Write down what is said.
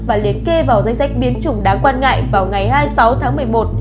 và liệt kê vào danh sách biến chủng đáng quan ngại vào ngày hai mươi sáu tháng một mươi một